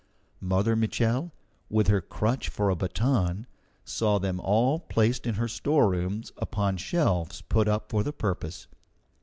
Mother Mitchel, with her crutch for a baton, saw them all placed in her storerooms upon shelves put up for the purpose.